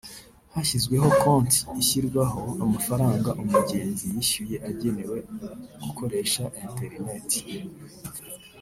hashyizweho konti ishyirwaho amafaranga umugenzi yishyuye agenewe gukoresha interineti